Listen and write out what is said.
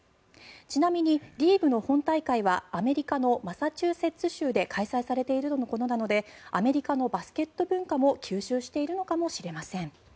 ちなみにリーグの本大会はアメリカのマサチューセッツ州で開催されているとのことなのでアメリカのバスケット文化も吸収しているのかもしれません。